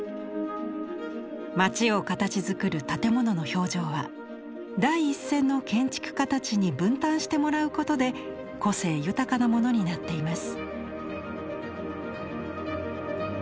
街を形づくる建物の表情は第一線の建築家たちに分担してもらうことで個性豊かなものになっています。